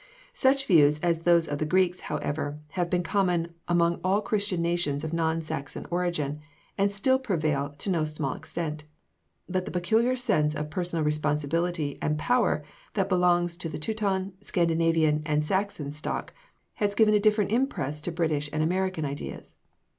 Such views as those of the Greeks, however, have been common among all Christian nations of non Saxon origin, and still prevail to no small extent. But the peculiar sense of personal responsibility and power that belongs to the Teuton, Scandinavian and Saxon stock has given a different impress to British and American ideas.